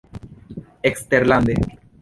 eksterlande